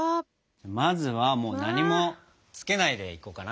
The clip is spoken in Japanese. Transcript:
まずはもう何もつけないでいこうかな。